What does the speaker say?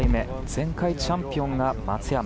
前回チャンピオンが松山。